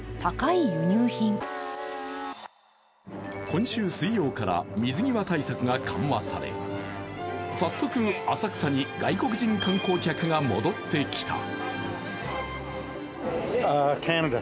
今週水曜から水際対策が緩和され早速、浅草に外国人観光客が戻ってきた。